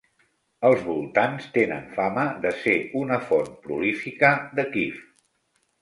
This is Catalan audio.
Els voltants tenen fama de ser una font prolífica de kif.